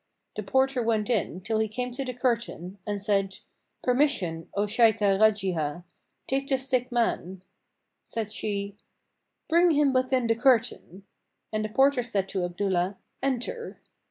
The porter went in, till he came to the curtain,[FN#553] and said, "Permission, O Shaykhah Rajihah! Take this sick man." Said she, "Bring him within the curtain;" and the porter said to Abdullah, "Enter."